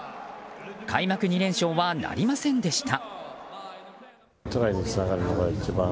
開幕２連勝はなりませんでした。